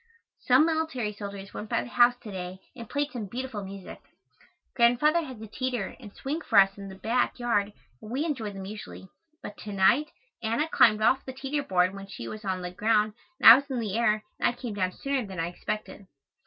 Some military soldiers went by the house to day and played some beautiful music. Grandfather has a teter and swing for us in the back yard and we enjoy them usually, but to night Anna slid off the teter board when she was on the ground and I was in the air and I came down sooner than I expected.